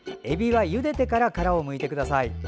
えびは、ゆでてから殻をむいてください。